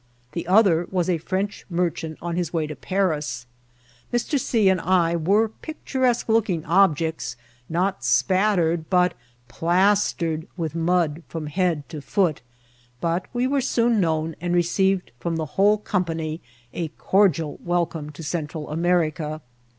The other was a French merchant on his way to Paris. Mr. C. and I were picturesque looking objects, not spattered, but plastered with mud firom h^ad to foot ; but we were soon known, and received firom the whole company a cordial welcome to Central America.